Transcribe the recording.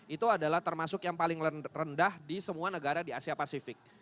itu adalah termasuk yang paling rendah di semua negara di asia pasifik